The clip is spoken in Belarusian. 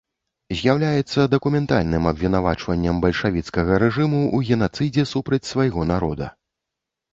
З'яўляецца дакументальным абвінавачваннем бальшавіцкага рэжыму ў генацыдзе супраць свайго народа.